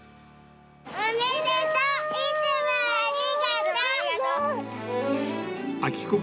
おめでとう。